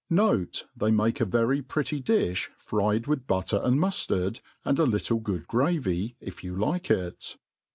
Note, they make a very pretty diih fried with butter and muftard, and a little good gravy, if you like it.